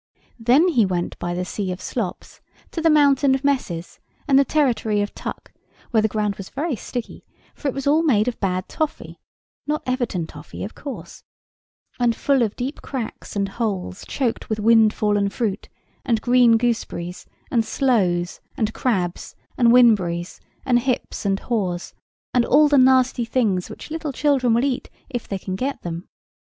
Then he went by the sea of slops, to the mountain of messes, and the territory of tuck, where the ground was very sticky, for it was all made of bad toffee (not Everton toffee, of course), and full of deep cracks and holes choked with wind fallen fruit, and green goose berries, and sloes, and crabs, and whinberries, and hips and haws, and all the nasty things which little children will eat, if they can get them.